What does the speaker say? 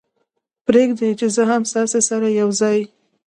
پرېږدئ چې زه هم تاسې سره یو ځای.